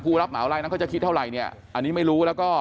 รับเหมารายนั้นเขาจะคิดเท่าไหร่เนี่ยอันนี้ไม่รู้แล้วก็